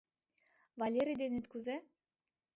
— Валерий денет кузе?